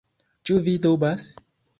Ĉu vi dubas?